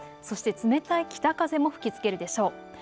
そして冷たい北風も吹きつけるでしょう。